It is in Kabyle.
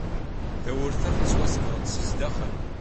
Tawwurt-a tettwaskeṛ-d seg sdaxel.